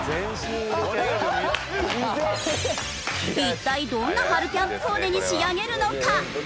一体どんな春キャンプコーデに仕上げるのか？